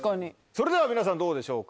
それでは皆さんどうでしょうか。